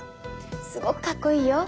すごくかっこいいよ。